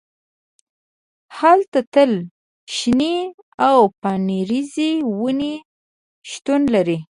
هلته تل شنې او پاڼریزې ونې شتون لري